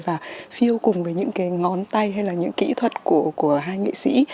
và phiêu cùng với những cái ngón tay hay là những kỹ thuật của hai nghệ sĩ